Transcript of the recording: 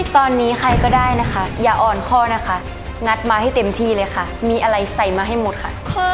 ตอนนี้ใครก็ได้นะคะอย่าอ่อนข้อนะคะงัดมาให้เต็มที่เลยค่ะมีอะไรใส่มาให้หมดค่ะ